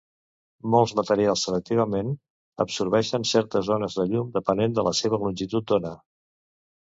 Molts materials selectivament absorbeixen certes ones de llum, depenent de la seva longitud d'ona.